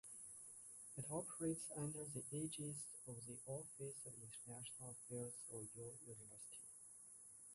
It operates under the aegis of the Office of International Affairs of Yale University.